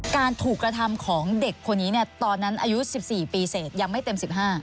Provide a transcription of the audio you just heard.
การถูกกระทำของเด็กคนนี้ตอนนั้นอายุ๑๔ปีเสร็จยังไม่เต็ม๑๕